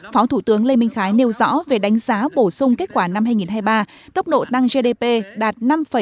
phó thủ tướng lê minh khái nêu rõ về đánh giá bổ sung kết quả năm hai nghìn hai mươi ba tốc độ tăng gdp đạt năm ba mươi